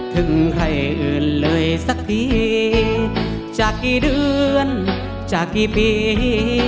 ถึงใครอื่นเลยสักทีจากกี่เดือนจากกี่ปี